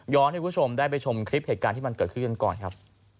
ให้คุณผู้ชมได้ไปชมคลิปเหตุการณ์ที่มันเกิดขึ้นกันก่อนครับ